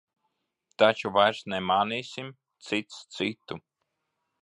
Taču vairs nemānīsim cits citu.